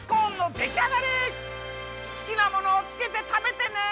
すきなものをつけてたべてね！